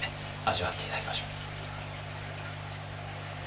味わって頂きましょう。